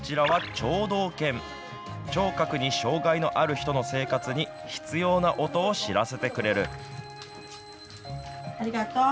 聴覚に障害がある人の生活に、必要な音を知らせてくれる。